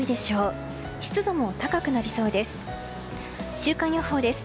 週間予報です。